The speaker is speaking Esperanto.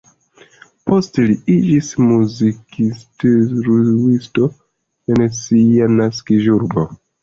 Poste li iĝis muzikinstruisto en sia naskiĝurbo.